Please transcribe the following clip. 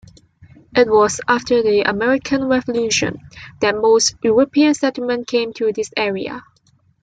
It was after the American Revolution that most European settlement came to this area.